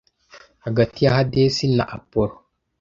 Hagati ya Hadesi na Apollo